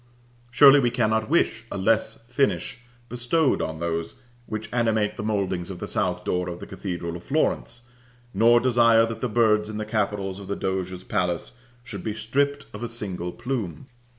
Surely we cannot wish a less finish bestowed on those which animate the mouldings of the south door of the cathedral of Florence; nor desire that the birds in the capitals of the Doge's palace should be stripped of a single plume.